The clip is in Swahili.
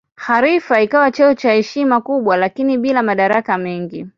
Khalifa ikawa cheo cha heshima kubwa lakini bila madaraka mengi.